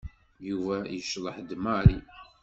Yuba yecḍeḥ d Mary.